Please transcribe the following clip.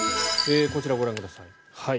こちら、ご覧ください。